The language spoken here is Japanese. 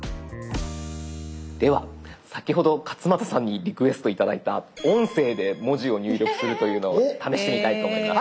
では先ほど勝俣さんにリクエストを頂いた音声で文字を入力するというのを試してみたいと思います。